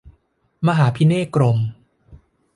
มหาภิเนษกรมณ์